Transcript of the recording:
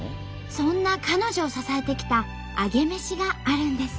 そんな彼女を支えてきたアゲメシがあるんです。